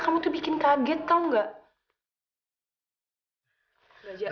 kamu tuh bikin kaget tau gak